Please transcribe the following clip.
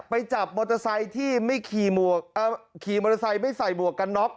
ไปจับมอเตอร์ไซค์ที่ไม่ขี่มอเตอร์ไซค์ไม่ใส่หมวกกันน็อก